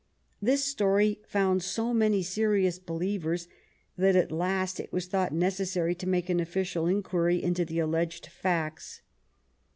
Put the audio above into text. This story found so many serious believers that at last it was thought necessary to make an official inquiry into the alleged facts.